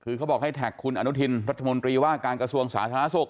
คือเขาบอกให้แท็กคุณอนุทินรัฐมนตรีว่าการกระทรวงสาธารณสุข